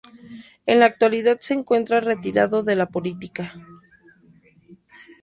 En la actualidad se encuentra retirado de la política.